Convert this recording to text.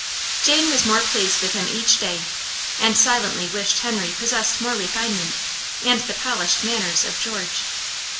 Jane was more pleased with him each day, and silently wished Henry possessed more refinement, and the polished manners of George.